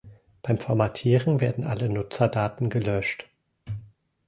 Beim Formatieren werden alle Nutzerdaten gelöscht.